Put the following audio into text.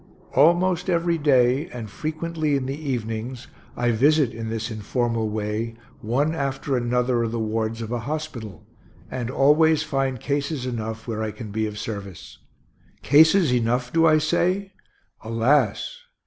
Almost every day, and frequently in the evenings, I visit, in this informal way, one after another of the wards of a hospital, and always find cases enough where I can be of service. Cases enough, do I say? Alas!